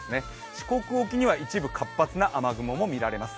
四国沖には一部、活発な雨雲も見られます。